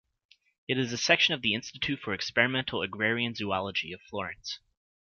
It is a section of the Institute for Experimental Agrarian Zoology of Florence.